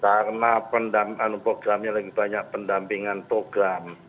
karena pendampingan programnya lebih banyak pendampingan program